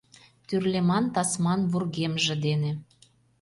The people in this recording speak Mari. Тӱрлеман-тасман вургемже дене.